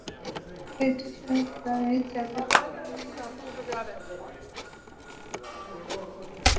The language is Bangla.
একটি সরকারি চালের গুদাম লুটের সময় দেয়াল ধসে আটজনের মৃত্যু হয়েছে।